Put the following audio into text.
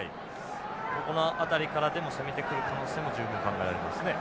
この辺りからでも攻めてくる可能性も十分に考えられますね。